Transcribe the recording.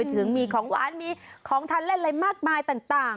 ถึงมีของหวานมีของทานเล่นอะไรมากมายต่าง